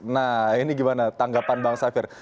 nah ini gimana tanggapan bang safir